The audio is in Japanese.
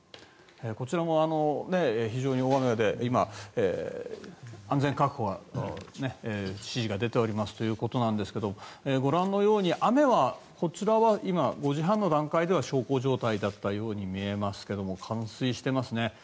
こちらも非常に大雨で今、安全確保の指示が出ているということなんですがご覧のように雨はこちらは今５時半の段階では小康状態だったように見えますが冠水していますね。